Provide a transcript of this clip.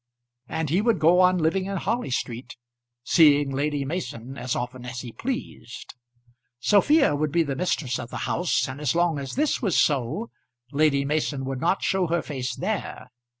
And he would go on living in Harley street, seeing Lady Mason as often as he pleased. Sophia would be the mistress of the house, and as long as this was so, Lady Mason would not show her face there.